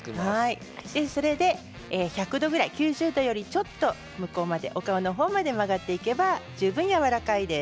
それで１００度ぐらい９０度よりちょっとお顔の方まで曲がっていけば十分やわらかいです。